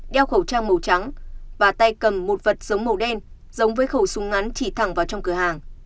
đeo khẩu trang màu trắng và tay cầm một vật giống màu đen giống với khẩu súng ngắn chỉ thẳng vào trong cửa hàng